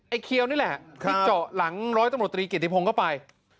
ไอ้เคียวนี่แหละที่เจาะหลังร้อยต้นบริโตรีเกียรติพงศ์เข้าไป